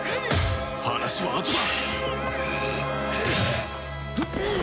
話はあとだ！